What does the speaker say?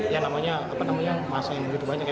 yang namanya masa yang begitu banyak